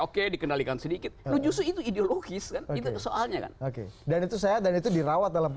oke dikendalikan sedikit loh justru itu ideologis kan itu soalnya kan oke dan itu saya dan itu dirawat dalam